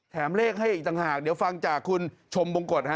แถมเลขให้อีกต่างหากเดี๋ยวฟังจากคุณชมบงกรศาสตร์ครับ